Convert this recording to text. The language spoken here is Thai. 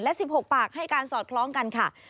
และ๑๖ปากให้การสอดคล้องกันค่ะ